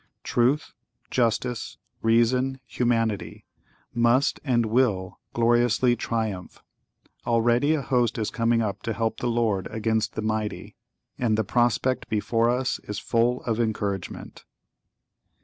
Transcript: Truth, Justice, Reason, Humanity, must and will gloriously triumph. Already a host is coming up to help the Lord against the mighty, and the prospect before us is full of encouragement.